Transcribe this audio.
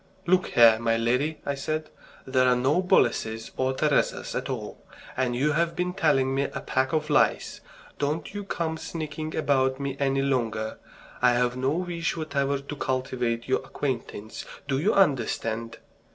"Look here, my lady," I said, "there are no Boleses or Teresas at all, and you've been telling me a pack of lies. Don't you come sneaking about me any longer. I have no wish whatever to cultivate your acquaintance. Do you understand?"